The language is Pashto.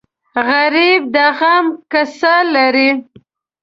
غریب د غم قصه لري